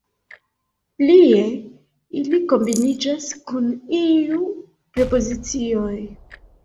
Plie, ili kombiniĝas kun iuj prepozicioj.